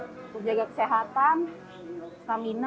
untuk jaga kesehatan stamina lalu untuk menurut saya